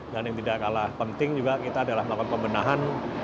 dan yang tidak kalah penting juga kita adalah melakukan pembenahan